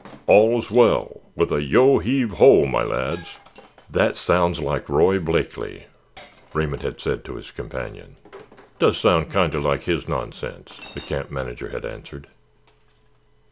All's well with a yo heave ho, my lads." "That sounds like Roy Blakeley," Raymond had said to his companion. "Does sound kinder like his nonsense," the camp manager had answered.